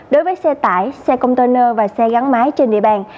đối với xe tải xe container và xe gắn máy trên địa bàn